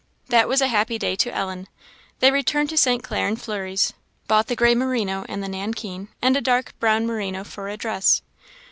That was a happy day to Ellen. They returned to St. Clair and Fleury's bought the gray merino and the nankeen, and a dark brown merino for a dress.